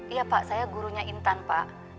iya pak saya gurunya intan pak